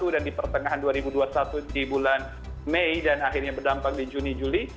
dan di pertengahan dua ribu dua puluh satu di bulan mei dan akhirnya berdampak di juni juli